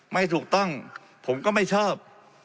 ไม่ถูกต้องผมก็ไม่ชอบ